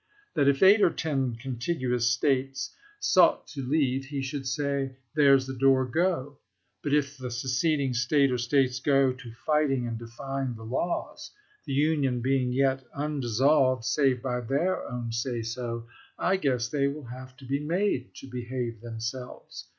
That if eight or ten contiguous States sought to leave, he should say, " There 's the door — go !" But, " if the seceding State or States go to fighting and defying the laws, the Union being yet undissolved save by their own say so, I guess they will have to be made to behave themselves.